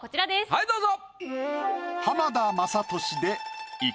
はいどうぞ。